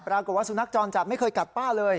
ปรากฏว่าสุนัขจรจัดไม่เคยกัดป้าเลย